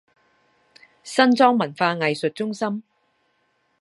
新莊文化藝術中心